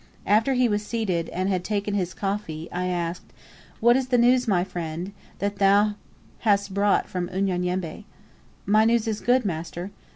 After he was seated, and had taken his coffee, I asked, "What is thy news, my friend, that thou bast brought from Unyanyembe?" "My news is good, master."